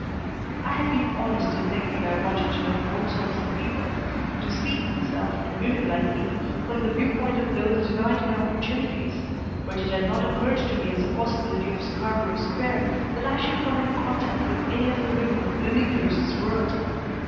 I had been honest in thinking I wanted to know all sorts of people, to see myself, and women like me, from the viewpoint of those denied my opportunities, but it had not occurred to me as a possibility of Scarborough Square that I should come in contact with any of the women of Lillie Pierce's world.